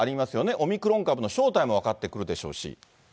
オミクロン株の正体も分かってくるでしょうし。